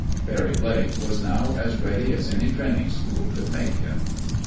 Barry Blake was now as ready as any training school could make him.